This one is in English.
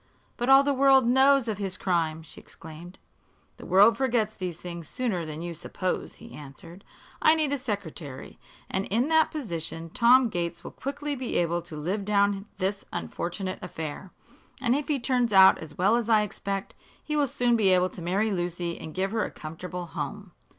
"But all the world knows of his crime!" she exclaimed. "The world forgets these things sooner than you suppose," he answered. "I need a secretary, and in that position Tom Gates will quickly be able to live down this unfortunate affair. And if he turns out as well as I expect, he will soon be able to marry Lucy and give her a comfortable home.